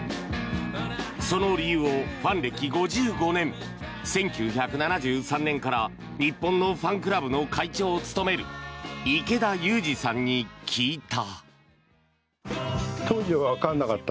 その理由をファン歴５５年１９７３年から日本のファンクラブの会長を務める池田祐司さんに聞いた。